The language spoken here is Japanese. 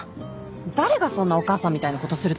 誰がそんなお母さんみたいなことすると。